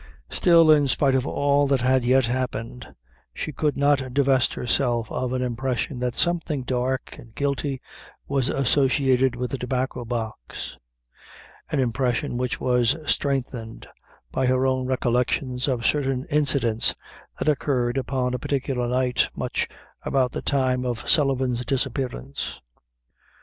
Still, in spite of all that had yet happened, she could not divest herself of an impression that something dark and guilty was associated with the Tobacco box; an impression which was strengthened by her own recollections of certain incidents that occurred upon a particular night, much about the time of Sullivan's disappearance.